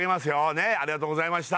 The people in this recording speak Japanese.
ねっありがとうございました